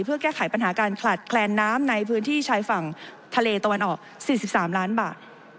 เพื่อแก้ไขปัญหาการขลาดแคลนน้ำในพื้นที่ชายฝั่งทะเลตะวันออก๔๓ล้านบาท